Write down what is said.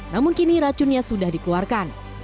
namun kini racunnya sudah dikeluarkan